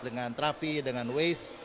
dengan trafi dengan waze